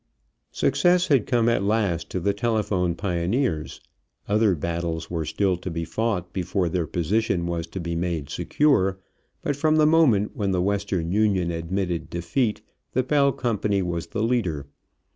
Success had come at last to the telephone pioneers. Other battles were still to be fought before their position was to be made secure, but from the moment when the Western Union admitted defeat the Bell company was the leader.